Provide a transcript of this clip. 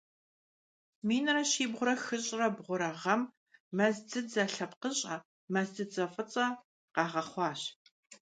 Минрэ щибгъурэ хыщӀрэ бгъурэ гъэм мэз дзыдзэ лъэпкъыщӀэ - мэз дзыдзэ фӀыцӀэ - къагъэхъуащ.